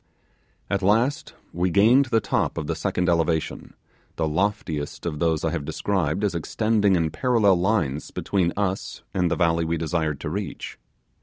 At last we gained the top of the second elevation, the loftiest of those I have described as extending in parallel lines between us and the valley we desired to reach.